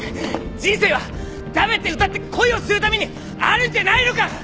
人生は食べて歌って恋をするためにあるんじゃないのか！